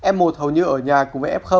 f một hầu như ở nhà cùng với f